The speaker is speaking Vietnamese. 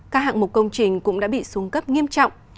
các hạng mục công trình cũng đã bị xuống cấp nghiêm trọng